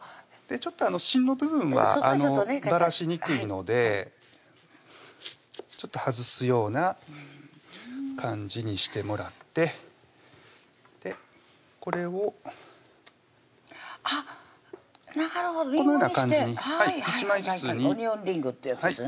ちょっと芯の部分はばらしにくいのでちょっと外すような感じにしてもらってこれをあっ中のリングにしてこのような感じに１枚ずつにオニオンリングってやつですね